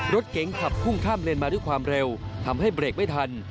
รถเก๋งขับพุ่งข้ามเลนมาด้วยความเร็วทำให้เบรกไม่ทัน